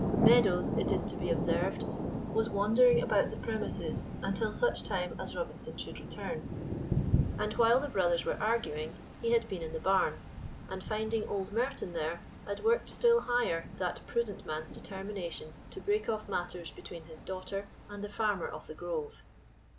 Meadows, it is to be observed, was wandering about the premises until such time as Robinson should return; and while the brothers were arguing, he had been in the barn, and finding old Merton there had worked still higher that prudent man's determination to break off matters between his daughter and the farmer of "The Grove."